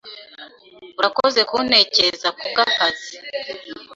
Urakoze kuntekereza kubwakazi.